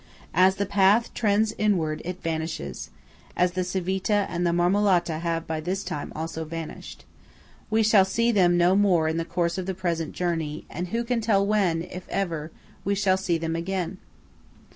As the path trends inward, it vanishes–as the Civita and the Marmolata have by this time also vanished. We shall see them no more in the course of the present journey; and who can tell when, if ever, we shall see them again?